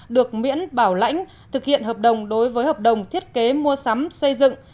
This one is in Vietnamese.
được miễn bảo lãnh thực hiện hợp đồng đối với hợp đồng thiết kế mua sắm xây dựng